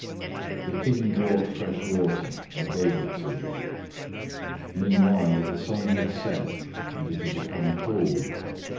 The King brought fresh water and gave it to him. Meanwhile the sun had set, and it had become cool.